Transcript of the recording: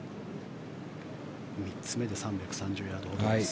３つ目で３３０ヤードほどです。